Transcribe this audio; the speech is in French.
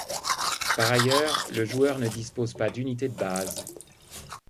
Par ailleurs, le joueur ne dispose pas d'unités de base.